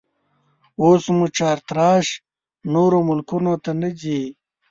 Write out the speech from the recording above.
اوس مو چارتراش نورو ملکو ته نه ځي